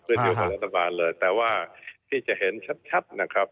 เกี่ยวกับรัฐบาลเลยแต่ว่าที่จะเห็นชัดนะครับ